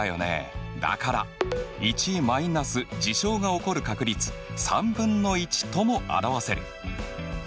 だから１マイナス事象が起こる確率３分の１とも表せる。